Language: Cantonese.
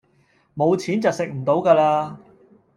冇錢就食唔到架喇